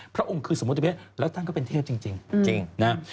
พระองค์คือสมมติเทพแล้วตั้งก็เป็นเทพจริงนะครับ